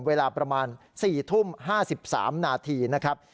เวลาประมาณ๔ทุ่ม๕๓นาทีนะครับ